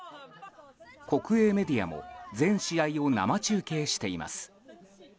国営メディアも全試合を生中継しています。